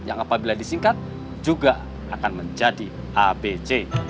yang apabila disingkat juga akan menjadi abc